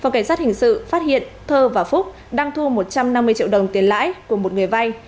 phòng cảnh sát hình sự phát hiện thơ và phúc đang thu một trăm năm mươi triệu đồng tiền lãi của một người vay